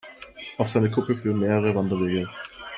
Auf seine Kuppe führen mehrere Wanderwege.